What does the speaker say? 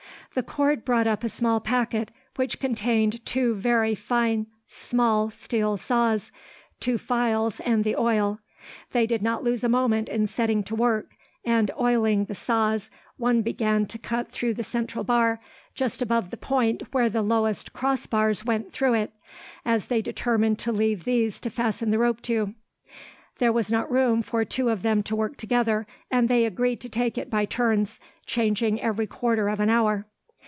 The cord brought up a small packet, which contained two very fine small steel saws, two files, and the oil. They did not lose a moment in setting to work, and, oiling the saws, one began to cut through the central bar, just above the point where the lowest cross bars went through it, as they determined to leave these to fasten the rope to. There was not room for two of them to work together, and they agreed to take it by turns, changing every quarter of an hour.